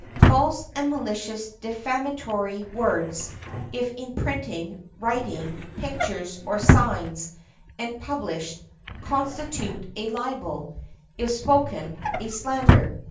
False and malicious defamatory words, if in printing, writing, pictures or signs, and published, constitute a libel; if spoken, a slander.